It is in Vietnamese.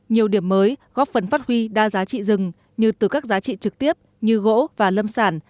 nhiều điểm mới góp phần phát huy đa giá trị rừng như từ các giá trị trực tiếp như gỗ và lâm sản